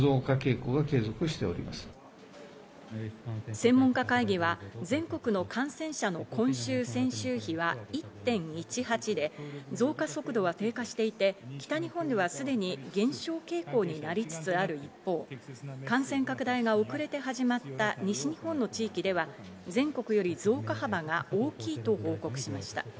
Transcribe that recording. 専門家会議は全国の感染者の今週先週比は１．１８で、増加速度は低下していて北日本ではすでに減少傾向になりつつある一方、感染拡大が遅れて始まった西日本の地域では全国より増加幅が大きいと報告しました。